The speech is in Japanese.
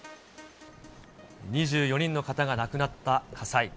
２４人の方が亡くなった火災。